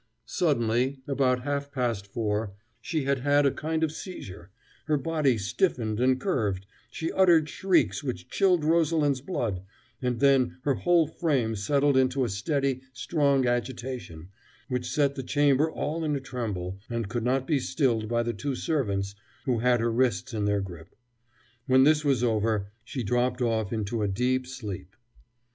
Suddenly, about half past four, she had had a kind of seizure; her body stiffened and curved, she uttered shrieks which chilled Rosalind's blood, and then her whole frame settled into a steady, strong agitation, which set the chamber all in a tremble, and could not be stilled by the two servants who had her wrists in their grip. When this was over, she dropped off into a deep sleep.